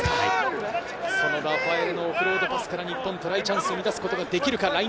そのラファエレのオフロードパスから日本、トライチャンスを生み出すことができるか。